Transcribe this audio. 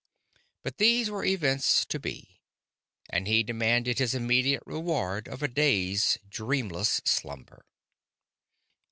But these were events to be, and he demanded his immediate reward of a day's dreamless slumber.